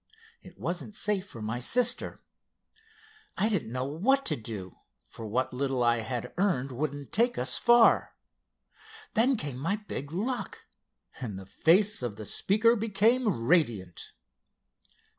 It wasn't safe for my sister. I didn't know what to do, for what little I had earned wouldn't take us far. Then came my big luck," and the face of the speaker became radiant.